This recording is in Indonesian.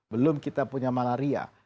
belum kita punya malaria